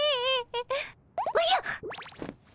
おじゃ！